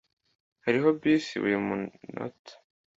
Hariho bisi buri minota